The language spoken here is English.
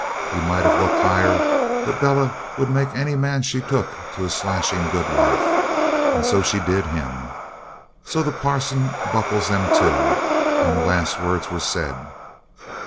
He might have looked higher, but Bella would make any man she took to a slashing good wife, and so she did him. So the parson buckles them to, and the last words were said.